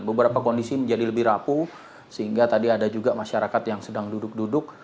beberapa kondisi menjadi lebih rapuh sehingga tadi ada juga masyarakat yang sedang duduk duduk